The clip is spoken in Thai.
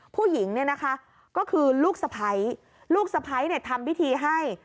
ผู้หญิงก็คือลูกสะพัยลูกสะพัยทำพิธีให้